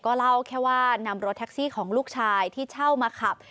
เล่าแค่ว่านำรถแท็กซี่ของลูกชายที่เช่ามาขับ